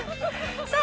◆さあ